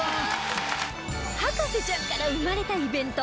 『博士ちゃん』から生まれたイベント